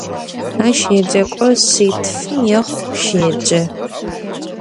Ащ еджэкӏо шъитфым ехъу щеджэ.